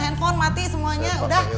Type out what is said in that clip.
handphone mati semuanya